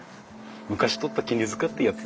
昔取った杵柄ってやつ？